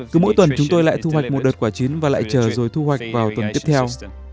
cứ mỗi tuần chúng tôi lại thu hoạch một đợt quả chín và lại chờ rồi thu hoạch vào tuần tiếp theo